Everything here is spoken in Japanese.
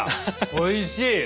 おいしい！